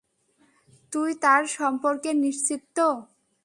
তুই তার সম্পর্কে নিশ্চিত, তো?